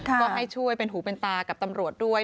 ก็ให้ช่วยเป็นหูเป็นตากับตำรวจด้วย